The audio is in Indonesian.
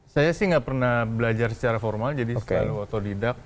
saya sih nggak pernah belajar secara formal jadi selalu otodidak